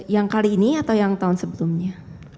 yang kali ini atau yang tahun sebelumnya